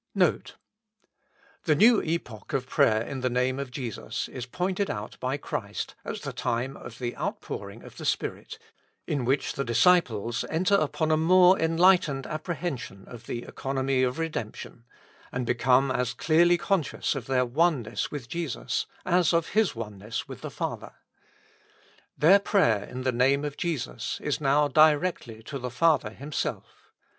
NOTE. " The new epoch of prayer in the Name of Jesus is pointed out by Christ as the time of the outpouring of the Spirit, in which the disciples enter upon a more enlightened apprehension of the economy of redemption, and become as clearly conscious of their oneness with Jesus as of His oneness with the Father. Their prayer in the Name of Jesus is now directly to the Father Himself.